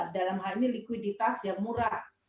dalam hal ini likuiditas yang murah